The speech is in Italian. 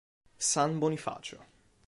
San Bonifacio